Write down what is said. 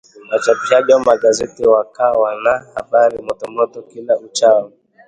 Wachapishaji wa magazeti wakawa na habari motomoto kila uchao